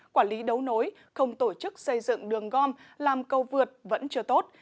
quản lý đấu nối không tổ chức xây dựng đường gom làm câu vượt vẫn chưa tốt